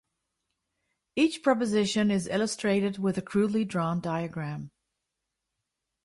Each proposition is illustrated with a crudely drawn diagram.